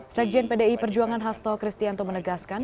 sekjen pdi perjuangan hasto kristianto menegaskan